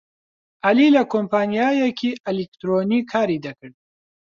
عەلی لە کۆمپانیایەکی ئەلیکترۆنی کاری دەکرد.